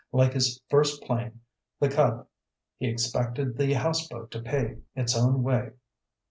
Like his first plane, the Cub, he expected the houseboat to pay its own way.